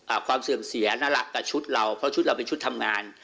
ความเสื่อมเสียนั่นแหละกับชุดเราเพราะชุดเราเป็นชุดทำงาน